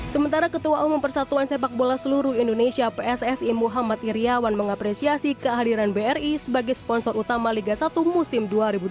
sementara ketua umum persatuan sepak bola seluruh indonesia pssi muhammad iryawan mengapresiasi kehadiran bri sebagai sponsor utama liga satu musim dua ribu dua puluh